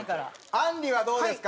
あんりはどうですか？